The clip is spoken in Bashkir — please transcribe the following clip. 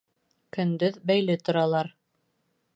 — Көндөҙ бәйле торалар.